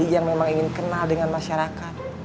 yang memang ingin kenal dengan masyarakat